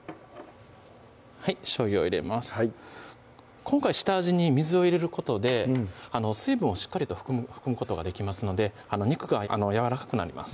今回下味に水を入れることで水分をしっかりと含むことができますので肉がやわらかくなります